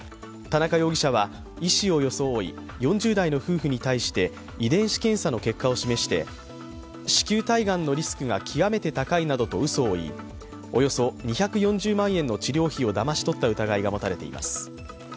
田中容疑者は医師を装い、４０代の夫婦に対して遺伝子検査の結果を示して子宮体がんのリスクが極めて高いなどとうそを言い、およそ２４０万円の治療費をだまし取った疑いが持たれています。